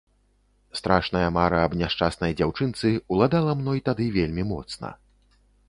Страшная мара аб няшчаснай дзяўчынцы ўладала мной тады вельмі моцна.